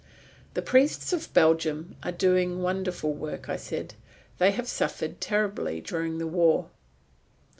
"The priests of Belgium are doing wonderful work," I said. "They have suffered terribly during the war."